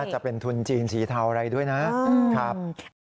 จะเป็นทุนจีนสีเทาอะไรด้วยนะครับ